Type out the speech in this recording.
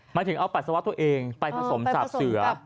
หมายถึงเอาปัสสาวะตัวเองไปผสมสาบเสือ